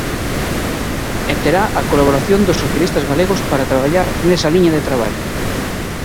E terá a colaboración dos socialistas galegos para traballar nesa liña de traballo.